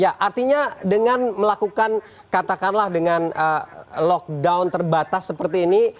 ya artinya dengan melakukan katakanlah dengan lockdown terbatas seperti ini